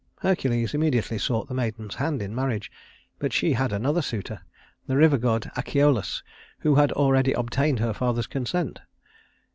Hercules immediately sought the maiden's hand in marriage; but she had another suitor, the river god Achelous, who had already obtained her father's consent.